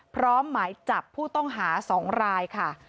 หมายจับผู้ต้องหา๒รายค่ะ